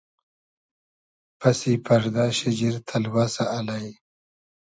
پئسی پئردۂ شیجیر تئلوئسۂ الݷ